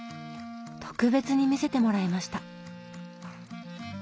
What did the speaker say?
特別に見せてもらいました！